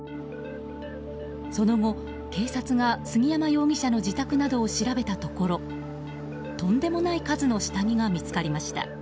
その後、警察が杉山容疑者の自宅などを調べたところとんでもない数の下着が見つかりました。